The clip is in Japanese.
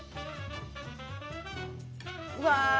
うわ！